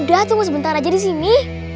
udah tunggu sebentar aja disini